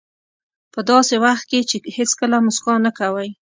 په داسې وخت کې چې هېڅکله موسکا نه کوئ.